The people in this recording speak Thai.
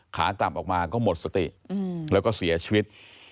ขากลับออกมาก็หมดสติแล้วก็เสียชีวิต